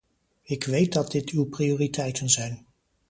Ik weet dat dit uw prioriteiten zijn.